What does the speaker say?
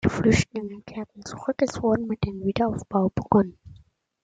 Die Flüchtlinge kehrten zurück, es wurde mit dem Wiederaufbau begonnen.